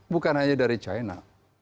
bukan hanya dari cina